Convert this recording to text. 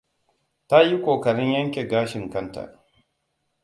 Ta yi kokarin yanke gashin kanta.